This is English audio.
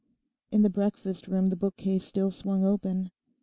In the breakfast room the bookcase still swung open.